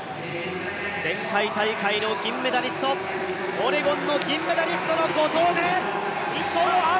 前回大会の金メダリスト、オレゴンの銀メダリストの５投目。